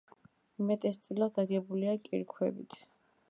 უმეტესწილად აგებულია კირქვებით.